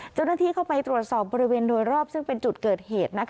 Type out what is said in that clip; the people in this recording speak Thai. เจ้าหน้าที่เข้าไปตรวจสอบบริเวณโดยรอบซึ่งเป็นจุดเกิดเหตุ